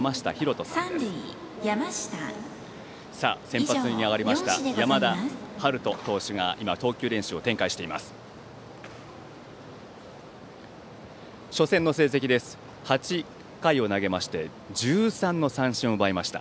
先発に上がりました山田陽翔投手が今、投球練習を展開しています。